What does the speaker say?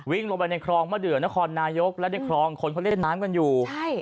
วิ่งลงไปในคลองมะเดือนครนายกและในคลองคนเขาเล่นน้ำกันอยู่ใช่